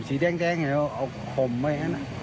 สีแดงเอาคมไว้